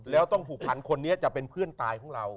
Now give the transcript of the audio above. แล้วต้องผูกพันคนนี้จะเป็นเพื่อนตายของเรา